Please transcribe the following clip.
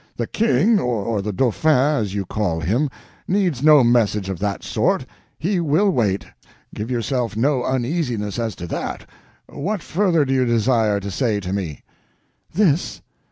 The King—or the Dauphin, as you call him—needs no message of that sort. He will wait, give yourself no uneasiness as to that. What further do you desire to say to me?" "This.